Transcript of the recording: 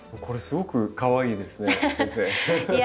これすごくかわいいですね先生。